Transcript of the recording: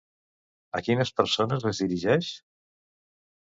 A quines persones es dirigeix?